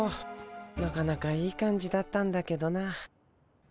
なかなかいい感じだったんだけどな。